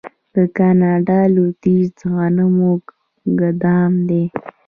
د کاناډا لویدیځ د غنمو ګدام دی.